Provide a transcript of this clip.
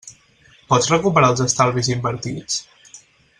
Pots recuperar els estalvis invertits?